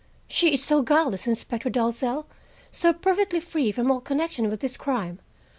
She is so guileless, Inspector Dalzell; so perfectly free from all connection with this crime.